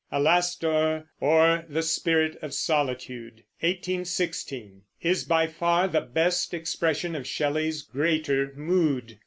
Alastor, or the Spirit of Solitude (1816) is by far the best expression of Shelley's greater mood.